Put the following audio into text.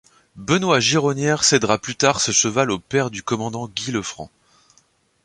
Benoist-Gironière cédera plus tard ce cheval au père du commandant Guy Lefrant.